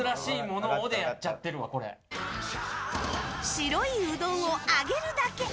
白いうどんを揚げるだけ。